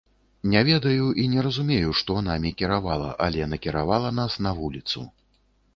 Не ведаю і не разумею, што намі кіравала, але накіравала нас на вуліцу.